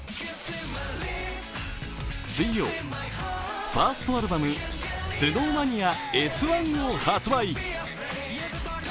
水曜、ファーストアルバム「ＳｎｏｗＭａｎｉａＳ１」を発売。